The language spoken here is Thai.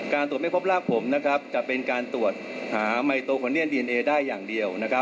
ตรวจไม่พบรากผมจะเป็นการตรวจหาไมโตโคเนียนดีเอนเอได้อย่างเดียว